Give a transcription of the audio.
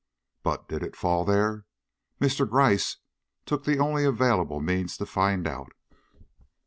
But did it fall there? Mr. Gryce took the only available means to find out.